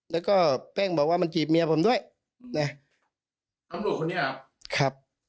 แล้วก็แป้งบอกว่ามันจีบเมียผมด้วยนะตำรวจคนนี้เหรอครับ